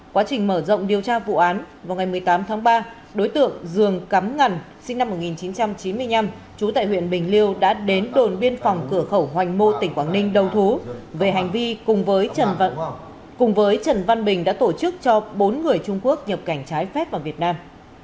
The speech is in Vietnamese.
quá trình mở rộng điều tra vụ án vào ngày một mươi tám tháng ba đối tượng dương cắm ngần sinh năm một nghìn chín trăm chín mươi năm trú tại huyện bình liêu đã đến đồn biên phòng cửa khẩu hoành mô tỉnh quảng ninh đầu thú về hành vi cùng với trần cùng với trần văn bình đã tổ chức cho bốn người trung quốc nhập cảnh trái phép vào việt nam